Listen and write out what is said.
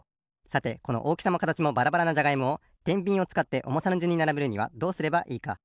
さてこのおおきさもかたちもばらばらなじゃがいもをてんびんをつかっておもさのじゅんにならべるにはどうすればいいか？